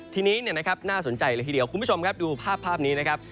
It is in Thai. ทีนี้เนี่ยนะครับน่าสนใจละทีเดียวคุณผู้ชมครับดูภาพภาพนี้นะครับ